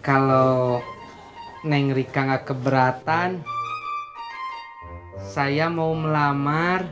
kalau neng rika nggak keberatan saya mau melamar